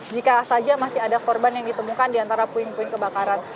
jika saja masih ada korban yang ditemukan di antara puing puing kebakaran